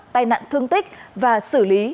tài nạn thương tích và xử lý